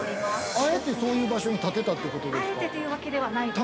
◆あえてそういう場所に建てたってことですか。